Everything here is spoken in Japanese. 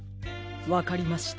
わかりました。